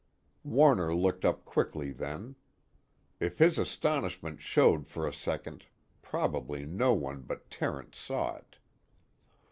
Warner looked up quickly then; if his astonishment showed for a second, probably no one but Terence saw it.